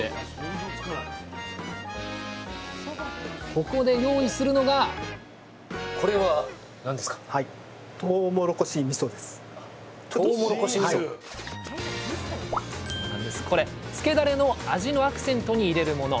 ここで用意するのがこれつけだれの味のアクセントに入れるもの。